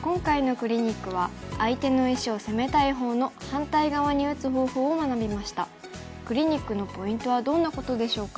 クリニックのポイントはどんなことでしょうか。